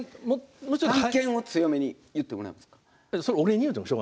もうちょっと強めに言ってもらえますか？